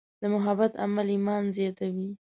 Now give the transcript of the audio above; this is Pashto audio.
د محبت عمل ایمان زیاتوي.